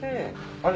あれ？